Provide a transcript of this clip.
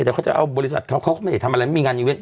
เดี๋ยวเขาจะเอาบริษัทเขาเขาไม่ไปทำอะไรมีงานอยู่ไหน